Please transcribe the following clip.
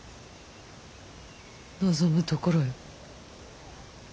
望むところよ。